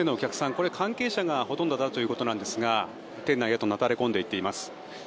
これ関係者がほとんどだということですが店内へとなだれ込んでいます。